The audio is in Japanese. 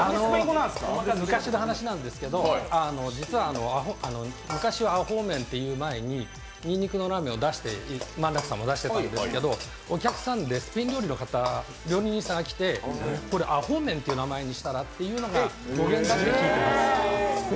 昔の話なんですけど、昔はアホーメンっていう前ににんにくのラーメンを萬楽さんも出してたんですけどお客さんでスペイン料理の勝利人さんが来てこれ、アホーメンという名前にしたらっていうのが語源だって聞いてます。